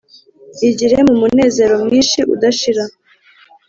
Igire mu munezero mwinshi udashira.